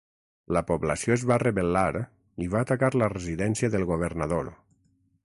La població es va rebel·lar i va atacar la residència del governador.